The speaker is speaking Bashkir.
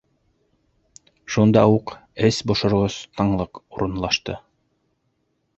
Шунда уҡ эс бошорғос тынлыҡ урынлашты.